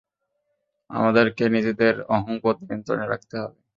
আমাদেরকে নিজেদের অহংবোধ নিয়ন্ত্রণে রাখতে হবে।